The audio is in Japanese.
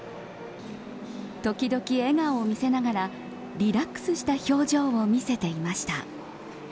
時々笑顔を見せながらリラックスした表情を見せていました。